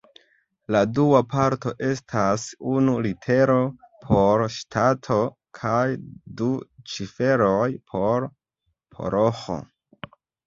La dua parto estas unu litero por ŝtato kaj du ciferoj por paroĥo.